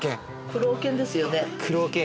苦労犬ですよね。